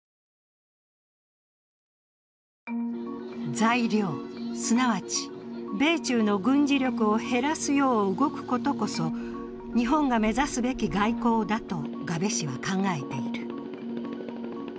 材料、すなわち米中の軍事力を減らすよう動くことこそ日本が目指すべき外交だと我部氏は考えている。